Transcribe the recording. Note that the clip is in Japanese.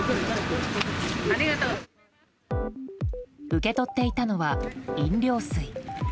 受け取っていたのは飲料水。